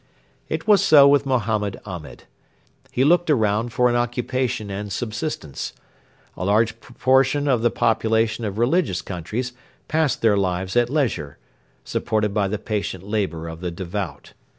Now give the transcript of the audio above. It was so with Mohammed Ahmed. He looked around for an occupation and subsistence. A large proportion of the population of religious countries pass their lives at leisure, supported by the patient labour of the devout.